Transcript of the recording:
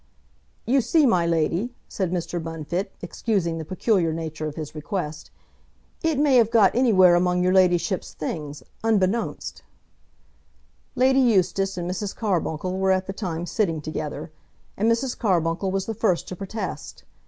"You see, my lady," said Mr. Bunfit, excusing the peculiar nature of his request, "it may have got anywhere among your ladyship's things, unbeknownst." Lady Eustace and Mrs. Carbuncle were at the time sitting together, and Mrs. Carbuncle was the first to protest.